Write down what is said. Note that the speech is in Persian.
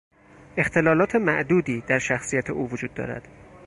اختلالات معدودی در شخصیت او وجود دارد.